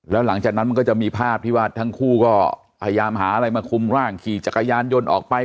แล้วหลังจากนั้นมันก็จะมีภาพที่ว่าทั้งคู่ก็พยายามหาอะไรมาคุมร่างขี่จักรยานยนต์ออกไป